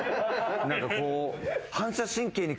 何かこう。